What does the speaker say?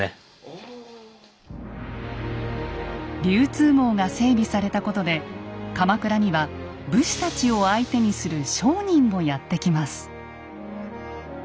流通網が整備されたことで鎌倉には武士たちを相手にする商人もやって来ます。